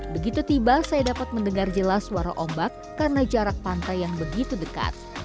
di sini saya mendengar suara ombak dan suara udara yang sangat dekat